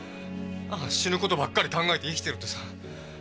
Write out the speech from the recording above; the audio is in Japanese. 死ぬ事ばっかり考えて生きてるってさ。